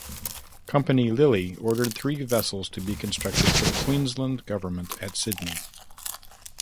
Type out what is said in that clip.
Company Lilley ordered three vessels to be constructed for the Queensland government at Sydney.